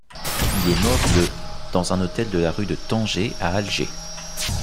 Il est mort le dans un hôtel de la rue de Tanger à Alger.